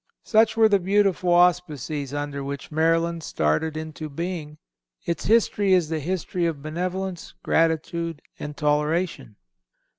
Such were the beautiful auspices under which Maryland started into being.... Its history is the history of benevolence, gratitude and toleration."